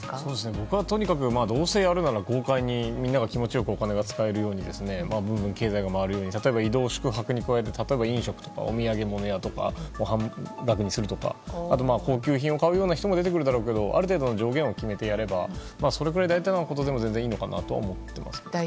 僕は、とにかくどうせやるなら豪快にみんなが気持ちよくお金が使えるように経済が回るように移動宿泊に加えて飲食とかお土産物屋とかを半額にするとかあとは高級品を買うような人も出てくるだろうけどある程度上限を決めてやればそれくらい大胆なことでもいいのかなと思っています。